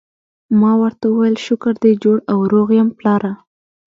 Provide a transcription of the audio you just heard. ما ورته وویل: شکر دی جوړ او روغ یم، پلاره.